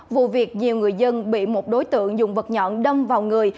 vụ việc nhiều người dân bị một đối tượng dùng vật nhọn đâm vào người